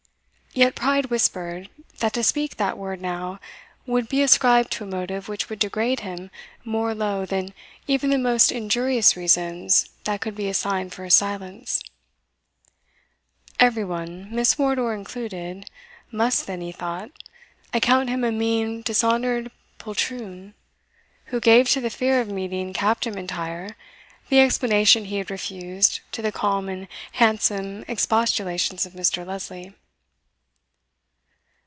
Yet pride whispered, that to speak that word now, would be ascribed to a motive which would degrade him more low than even the most injurious reasons that could be assigned for his silence. Every one, Miss Wardour included, must then, he thought, account him a mean dishonoured poltroon, who gave to the fear of meeting Captain M'Intyre the explanation he had refused to the calm and handsome expostulations of Mr. Lesley.